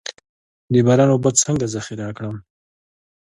د باران اوبه څنګه ذخیره کړم؟